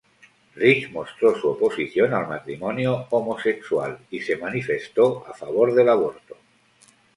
Ridge mostró su oposición al matrimonio homosexual, y se manifestó a favor del aborto.